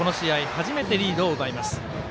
初めてリードを奪います。